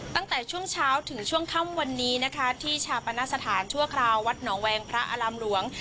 ตั้งแต่ช่วงเช้าถึงช่วงค่ำวันนี้นะคะที่ชาปนสถานชั่วคราววัดหนองแวงพระอารามหลวง